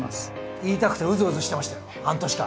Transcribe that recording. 言いたくてウズウズしてましたよ半年間。